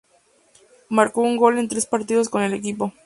Marcó un gol en tres partidos con el equipo.